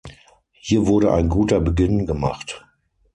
Hier wurde ein guter Beginn gemacht.